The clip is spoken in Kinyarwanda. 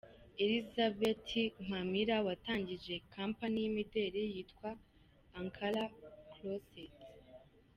Elizabeth Mpamira watangije kampani y'imideri yitwa "Ankara Closet".